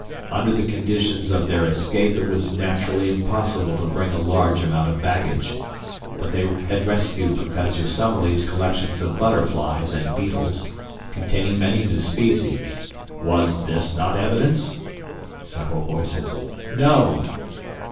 Under the conditions of their escape it was naturally impossible to bring a large amount of baggage, but they had rescued Professor Summerlee's collections of butterflies and beetles, containing many new species. Was this not evidence?' (Several voices, 'No.')